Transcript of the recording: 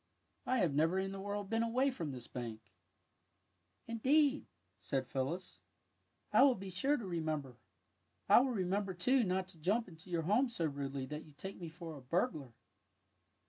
I have never in the world been away from this bank." " Indeed/^ said Phyllis, '' 1 will be sure to remember. I will remember, too, not to jump into your home so rudely that you take me for a burglar."